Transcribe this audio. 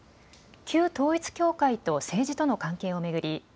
旧統一教会と政治との関係を巡り